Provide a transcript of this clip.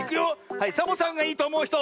はいサボさんがいいとおもうひと！